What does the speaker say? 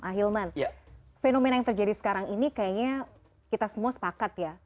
ahilman fenomena yang terjadi sekarang ini kayaknya kita semua sepakat ya